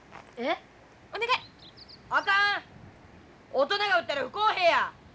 大人が打ったら不公平や。